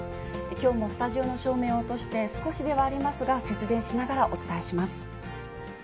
きょうもスタジオの照明を落として少しではありますが、節電しながらお伝えします。